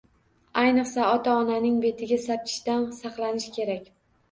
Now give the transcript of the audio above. Ayniqsa, ota-onaning betiga sapchishdan saqlanish kerak.